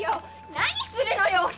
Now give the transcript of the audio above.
何するのよお久！